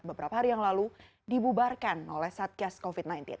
beberapa hari yang lalu dibubarkan oleh satgas covid sembilan belas